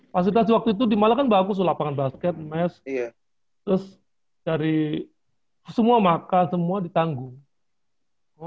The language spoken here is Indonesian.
fasilitas waktu itu di malang kan bagus loh lapangan basket mes terus dari semua maka semua ditanggung